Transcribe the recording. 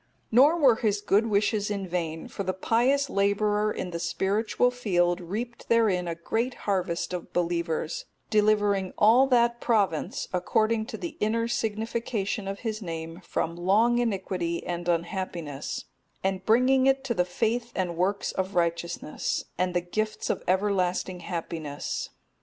Nor were his good wishes in vain; for the pious labourer in the spiritual field reaped therein a great harvest of believers, delivering all that province (according to the inner signification of his name) from long iniquity and unhappiness, and bringing it to the faith and works of righteousness, and the gifts of everlasting happiness.